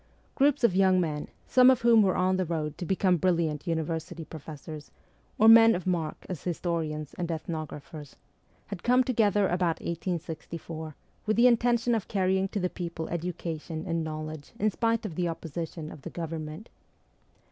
Groups of young men, some of whom were on the road to become brilliant university professors, or men of mark as historians and ethnographers, had come together about 1864, with the intention .of carrying to the people education and knowledge in spite of the opposi tion of the Government.